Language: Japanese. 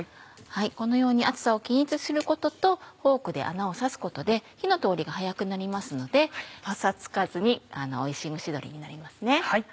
このように厚さを均一にすることとフォークで穴を刺すことで火の通りが早くなりますのでパサつかずにおいしい蒸し鶏になります。